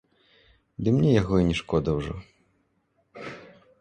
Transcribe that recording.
Ды мне яго і не шкода ўжо.